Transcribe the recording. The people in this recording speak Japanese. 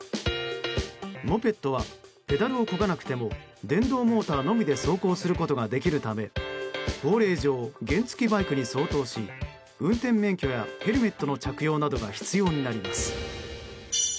モペットはペダルをこがなくても電動モーターのみで走行することができるため法令上、原付きバイクに相当し運転免許やヘルメットの着用などが必要になります。